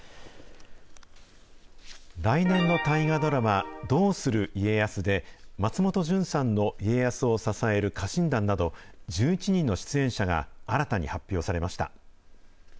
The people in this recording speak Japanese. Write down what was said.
来年の大河ドラマ、どうする家康で、松本潤さんの家康を支える家臣団など、１１人の出演者が新たに発表されました。